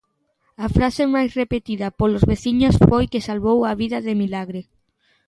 A frase máis repetida polos veciños foi que salvou a vida de milagre.